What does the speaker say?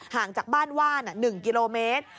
ห่างจากบ้านว่าน๑กิโลเมตร